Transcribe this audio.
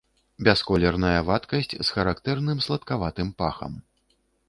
Бясколерная вадкасць з характэрным саладкаватым пахам.